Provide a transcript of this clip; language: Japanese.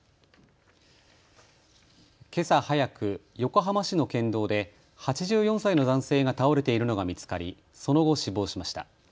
けさ早く横浜市の県道で８４歳の男性が倒れているのが見つかりその後、死亡しました。